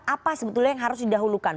apa sebetulnya yang harus didahulukan